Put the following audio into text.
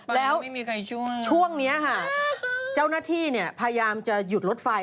แล้วช่วงนี้ค่ะเจ้าหน้าที่พยายามจะหยุดรถไฟ